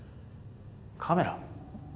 カメラ？